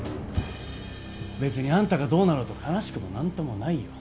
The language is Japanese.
別にあんたがどうなろうと悲しくも何ともないよ。